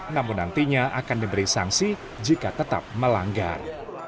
namun nantinya akan diberi sanksi jika tetap melanggar